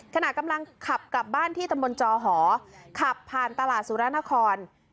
ขณะกำลังขับกลับบ้านที่ตำบลจอหอขับผ่านตลาดสุรนคร